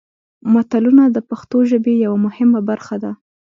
متلونه د پښتو ژبې یوه مهمه برخه ده